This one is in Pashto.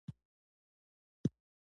البته ډېر او بې ځایه اوږده لیکل کوي.